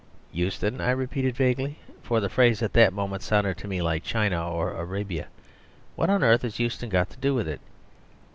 "Euston," I repeated vaguely, for the phrase at that moment sounded to me like China or Arabia. "What on earth has Euston got to do with it?"